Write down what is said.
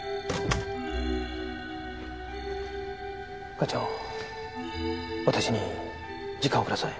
課長私に時間をください。